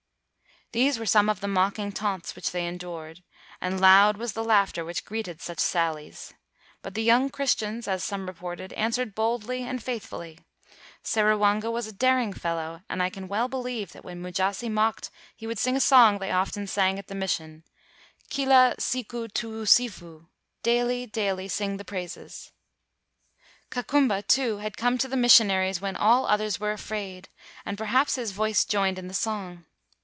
"These were some of the mocking taunts which they endured, and loud was the laugh ter which greeted such sallies. But the young Christians, as some reported, an swered boldly and faithfully. Seruwanga was a daring fellow, and I can well believe that when Mujasi mocked he would sing a song they often sang at the Mission, 'Killa siku tuusifu' ['Daily, daily sing the praises']. Kakumba, too, had come to the missionaries when all others were afraid, and perhaps his voice joined in the song.